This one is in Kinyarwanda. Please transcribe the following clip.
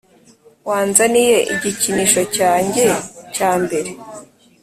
wanzaniye igikinisho cyanjye cya mbere,